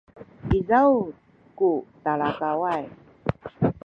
izaw ku talakaway